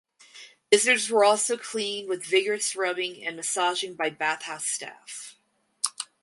Visitors were also cleaned with vigorous rubbing and massaging by bathhouse staff.